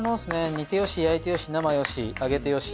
煮てよし焼いてよし生よし揚げてよし。